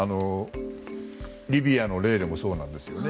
リビアの例でもそうなんですよね。